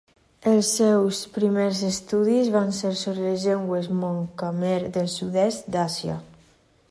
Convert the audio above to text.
Els seus primers estudis van ser sobre les llengües Mon-Khmer del sud-est d'Àsia.